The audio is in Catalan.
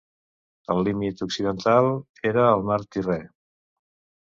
El límit occidental era el mar Tirrè.